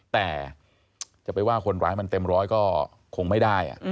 แต่จะไปว่าคนร้ายมันเต็มร้อยก็คงไม่ได้